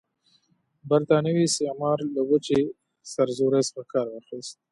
برټانوي استعمار له وچې سرزورۍ څخه کار واخیست.